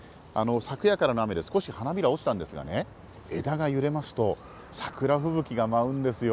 昨夜からの雨で少し花びら落ちたんですがね、枝が揺れますと、桜吹雪が舞うんですよ。